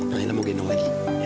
nondila mau gendong lagi